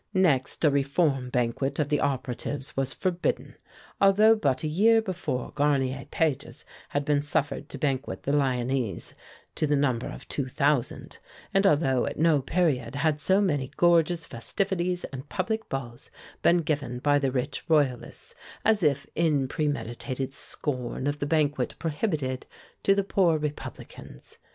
Next a reform banquet of the operatives was forbidden, although but a year before Garnier Pages had been suffered to banquet the Lyonnese to the number of two thousand, and although at no period had so many gorgeous festivities and public balls been given by the rich Royalists, as if in premeditated scorn of the banquet prohibited to the poor Republicans.